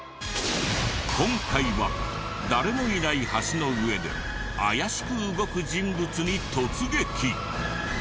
今回は誰もいない橋の上で怪しく動く人物に突撃！